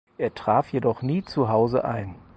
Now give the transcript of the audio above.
Er traf jedoch nie zu Hause ein.